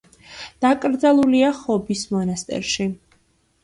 დაკრძალულია ხობის მონასტერში.